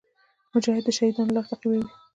مجاهد د شهیدانو لار تعقیبوي.